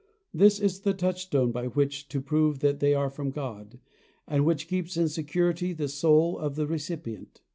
This is the touchstone by which to prove that they are from God, and which keeps in security the soul of the recipient.